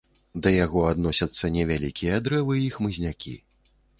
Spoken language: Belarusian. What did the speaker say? Да яго адносяцца невялікія дрэвы і хмызнякі.